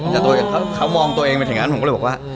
แต่เขามองตัวเองเป็นอย่างนั้นผมก็เลยบอกว่า